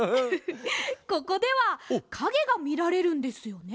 ここではかげがみられるんですよね？